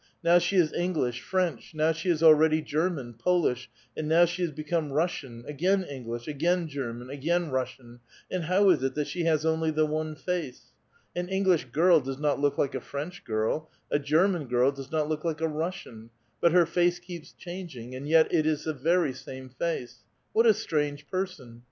Now she is English, French, now she is already German, Polish, and now she has become Russian, again English, again German, again Russian ; and how is it that she has only the one face? An English girl does not look like a French girl, a German girl does not look like a Russian ; but her face keeps changing, and yet it is the veiy same face. What a strange person